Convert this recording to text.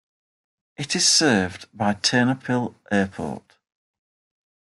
It is served by Ternopil Airport.